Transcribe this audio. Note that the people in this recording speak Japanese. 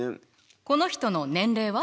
この人の年齢は？